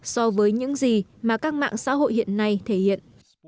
so với những gì mà các mạng xã hội hiện nay thể hiện